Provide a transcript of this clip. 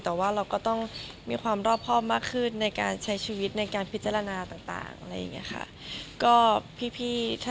แต่ว่าเราก็ต้องมีความรอบครอบมากขึ้นในการใช้ชีวิตในการพิจารณาต่างอะไรอย่างนี้ค่ะ